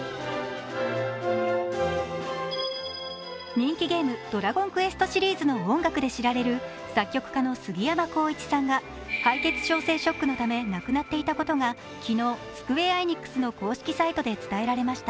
人気ゲーム「ドラゴンクエスト」シリーズの音楽で知られる作曲家のすぎやまこういちさんが敗血症性ショックのため亡くなっていたことが昨日、スクウェアエニックスの公式サイトで伝えられました。